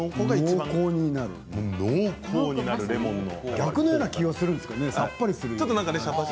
逆のような気がするんですけれどもねさっぱりするような。